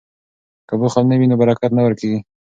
که بخل نه وي نو برکت نه ورکیږي.